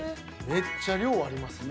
めっちゃ量ありますね。